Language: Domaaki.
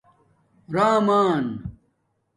رَم آن